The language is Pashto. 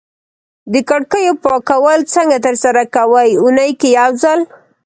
د کړکیو پاکول څنګه ترسره کوی؟ اونۍ کی یوځل